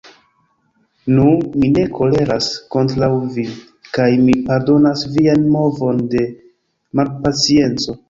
Nu, mi ne koleras kontraŭ vi, kaj mi pardonas vian movon de malpacienco.